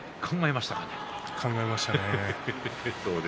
考えましたか？